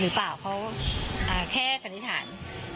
หรือเปล่าเค้าแค่คณิตฐาน